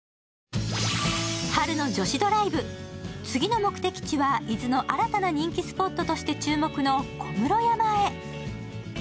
次の目的地は伊豆の新たな人気スポットとして注目の小室山へ。